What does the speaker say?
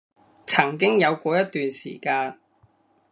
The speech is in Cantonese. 曾經有過一段時間